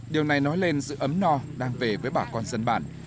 điều này nói lên sự ấm no đang về với bà con dân bản